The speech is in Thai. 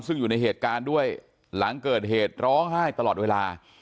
ซึ่งอยู่ในเหตุการณ์ด้วยหลังเกิดเหตุร้องไห้ตลอดเวลา